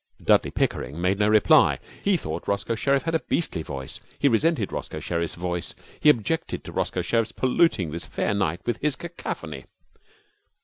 Dudley Pickering made no reply. He thought Roscoe Sherriff had a beastly voice. He resented Roscoe Sherriff's voice. He objected to Roscoe Sherriff's polluting this fair night with his cacophony.